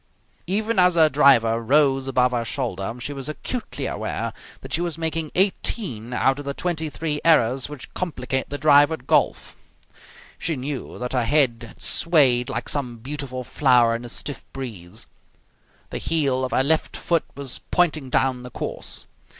Even as her driver rose above her shoulder she was acutely aware that she was making eighteen out of the twenty three errors which complicate the drive at golf. She knew that her head had swayed like some beautiful flower in a stiff breeze. The heel of her left foot was pointing down the course.